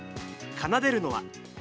奏でるのは。